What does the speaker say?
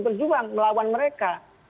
berjuang melawan mereka